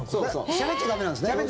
しゃべっちゃ駄目なんですね。